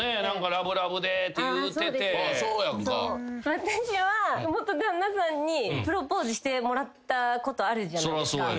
私は元旦那さんにプロポーズしてもらったことあるじゃないですか。